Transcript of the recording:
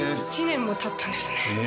１年もたったんですね